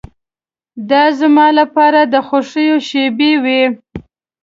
دا زما لپاره د خوښیو شېبې وې.